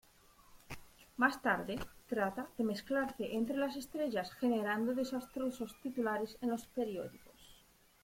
Más tarde, trata de mezclarse entre las estrellas, generando desastrosos titulares en los periódicos.